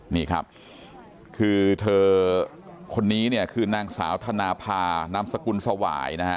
นี่ครับคือเธอคนนี้คือนางสาวธนาภานามสกุลสวาย